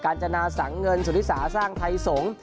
จนาสังเงินสุธิสาสร้างไทยสงฆ์